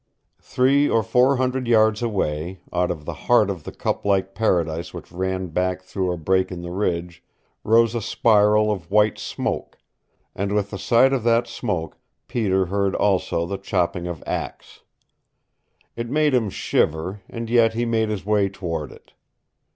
Three or four hundred yards away, out of the heart of that cup like paradise which ran back through a break in the ridge, rose a spiral of white smoke, and with the sight of that smoke Peter heard also the chopping of axe. It made him shiver, and yet he made his way toward it.